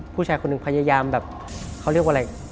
ผู้ชายคนหนึ่งพยายามแบบเขาเรียกว่าอะไร